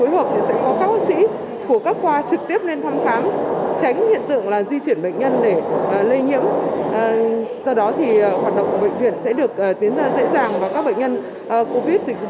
và điều trị một cách hiệu quả